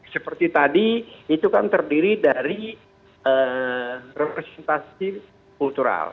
seperti tadi itu kan terdiri dari representasi kultural